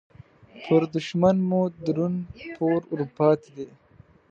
پر دوښمن مو درون پور ورپاتې دې